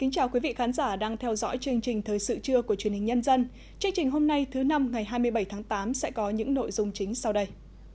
chương trình hôm nay thứ năm ngày hai mươi bảy tháng tám sẽ có những nội dung chính sau đây